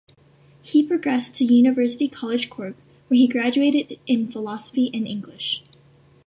He progressed to University College Cork where he graduated in Philosophy and English.